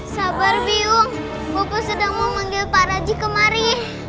sabar biung bapak sedang mau manggil pak raji kemari